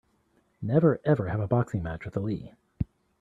Never ever have a boxing match with Ali!